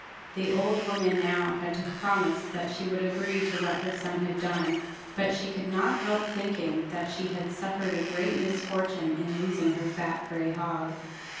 The old woman now had to promise that she would agree to what her son had done; but she could not help thinking that she had suffered a great misfortune in losing her fat gray hog.